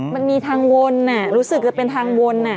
มันมีทางวนรู้สึกจะเป็นทางวน